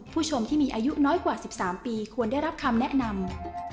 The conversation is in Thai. ผู้ชมที่มีอายุน้อยกว่า๑๓ปีควรได้รับคำแนะนำ